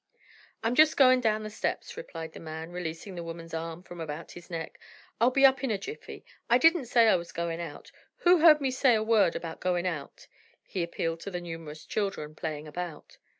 "I'm just goin' down to the steps," replied the man, releasing the woman's arms from about his neck, "I'll be up in a jiffy. I didn't say I was goin' out. Who heard me say a word about goin' out?" he appealed to the numerous children playing about.